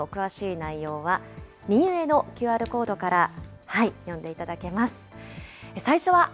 インタビューの詳しい内容は、右上のＱＲコードから、読んでいただけます。